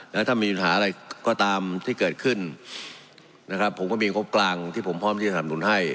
แล้วถ้ามีปัญหาอะไรก็ตามที่เกิดขึ้นนะครับผมก็มีงบกลางที่ผมพร้อมที่จะสนับหนุนให้